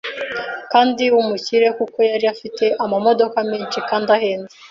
kandi w’umukire kuko yari afite amamodoka menshi kandi ahenze